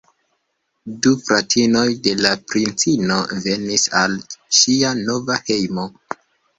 Du fratinoj de la princino venis al ŝia nova hejmo.